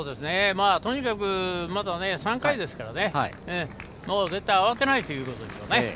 とにかくまだ３回ですから絶対慌てないということですね。